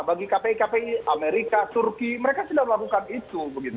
bagi kpi kpi amerika turki mereka sudah melakukan itu